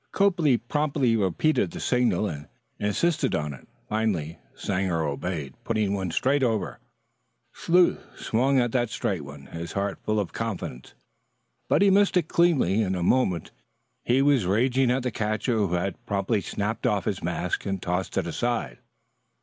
Copley promptly repeated the signal, and insisted on it. Finally Sanger obeyed, putting one straight over. Sleuth swung at that straight one, his heart full of confidence, but he missed it cleanly. In a moment he was raging at the catcher, who had promptly snapped off his mask and tossed it aside.